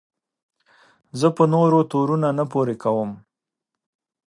زه په نورو تورونه نه پورې کوم.